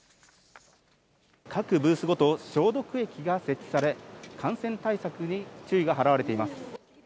各ブースごと、消毒液が設置され、感染対策に注意が払われています。